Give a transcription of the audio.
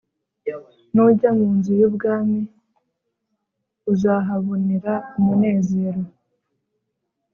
Nujya mu Nzu y’Ubwami uzahabonera umunezero